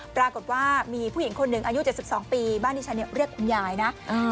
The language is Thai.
ปรากฏว่ามีผู้หญิงคนหนึ่งอายุ๗๒ปีบ้านที่ฉันเรียกคุณยายนะ